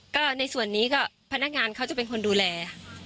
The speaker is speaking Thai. ก็ในส่วนนี้ก็พนักงานเขาจะเป็นคนดูแล